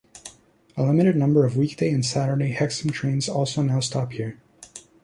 A limited number of weekday and Saturday Hexham trains also now stop here.